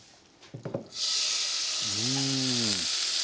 うん。